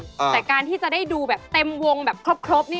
แต่การที่จะได้ดูแบบเต็มวงแบบครบนี่